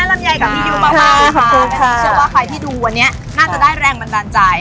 เพราะว่าใครที่ดูวันนี้น่าจะได้แรงบันดาลใจ